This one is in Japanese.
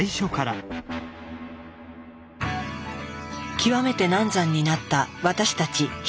極めて難産になった私たちヒト。